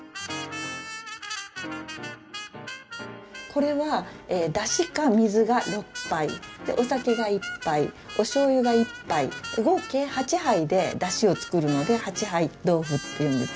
これはだしか水が６杯お酒が１杯おしょうゆが１杯合計８杯でだしを作るので「八杯豆腐」って言うんです。